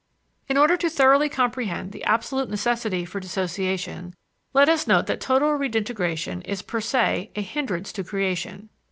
In order to thoroughly comprehend the absolute necessity for dissociation, let us note that total redintegration is per se a hindrance to creation.